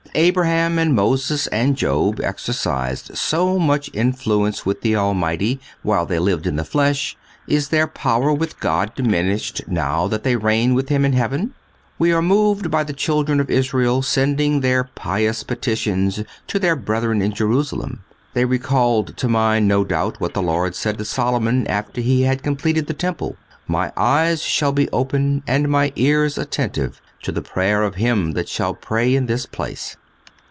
If Abraham and Moses and Job exercised so much influence with the Almighty while they lived in the flesh, is their power with God diminished now that they reign with Him in heaven? We are moved by the children of Israel sending their pious petitions to their brethren in Jerusalem. They recalled to mind, no doubt, what the Lord said to Solomon after he had completed the temple: "My eyes shall be open and My ears attentive to the prayer of him that shall pray in this place."